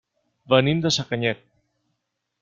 Venim de Sacanyet.